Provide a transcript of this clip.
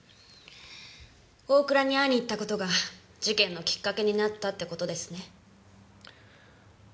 大倉に会いに行った事が事件のきっかけになったって事ですね。